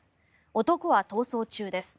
男は逃走中です。